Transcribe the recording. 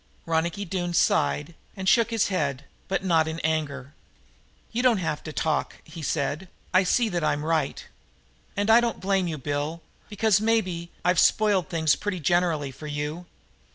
Ronicky Doone sighed and shook his head, but not in anger. "You don't have to talk," he said. "I see that I'm right. And I don't blame you, Bill, because, maybe, I've spoiled things pretty generally for you."